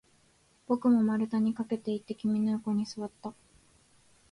僕も丸太に駆けていって、君の横に座った